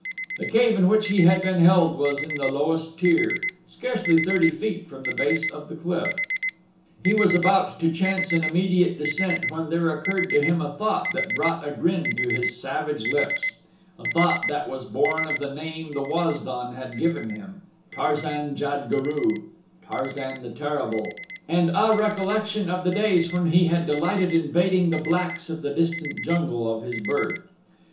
The cave in which he had been held was in the lowest tier scarce thirty feet from the base of the cliff. He was about to chance an immediate descent when there occurred to him a thought that brought a grin to his savage lips a thought that was born of the name the Waz don had given him Tarzan jad guru Tarzan the Terrible and a recollection of the days when he had delighted in baiting the blacks of the distant jungle of his birth.